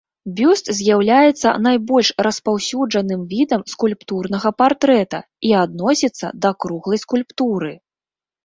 Бюст з'яўляецца найбольш распаўсюджаным відам скульптурнага партрэта і адносіцца да круглай скульптуры.